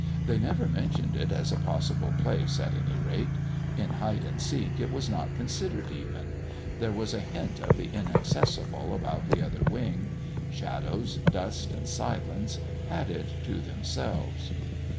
They never mentioned it as a possible place, at any rate; in hide and seek it was not considered, even; there was a hint of the inaccessible about the Other Wing. Shadows, dust, and silence had it to themselves.